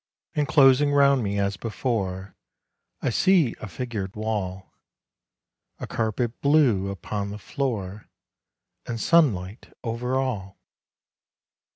And closing 'round me as before, I see a figured wall, A carpet blue upon the floor, And sunlight over all.